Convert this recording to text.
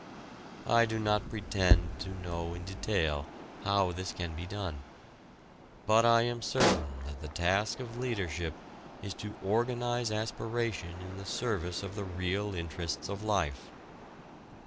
I do not pretend to know in detail how this can be done. But I am certain that the task of leadership is to organize aspiration in the service of the real interests of life.